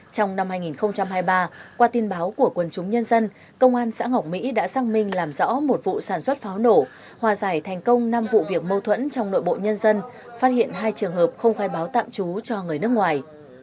trong năm hai nghìn hai mươi ba qua tin báo của quân chúng nhân dân công an xã ngọc mỹ đã sang minh làm rõ một vụ sản xuất pháo nổ hòa giải thành công năm vụ việc mâu thuẫn trong nội bộ nhân dân phát hiện hai trường hợp không khai báo tạm trú cho người nước ngoài